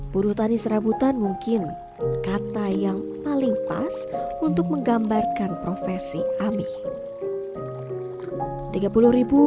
buruh tani serabutan mungkin kata yang paling pas untuk menggambarkan profesi amih